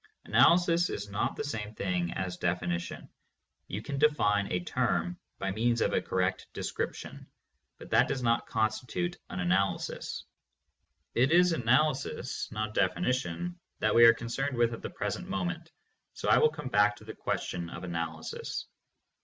Analysis is not the same thing as definition. You can define a term by means of a correct description, but that does not constitute an analysis. It is analysis, not defini tion, that we are concerned with at the present moment, so I will come back to the question of analysis.